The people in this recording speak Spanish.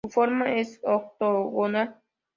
Su forma es octogonal.